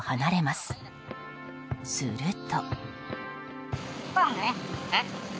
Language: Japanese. すると。